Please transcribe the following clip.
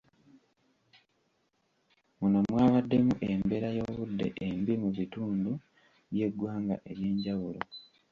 Muno mwabaddemu embeera y'obudde embi mu bitundu by'eggwanga ebyenjawulo.